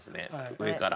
上から。